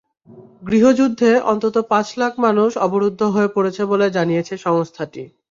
গৃহযুদ্ধে অন্তত পাঁচ লাখ মানুষ অবরুদ্ধ হয়ে পড়েছে বলে জানিয়েছে সংস্থাটি।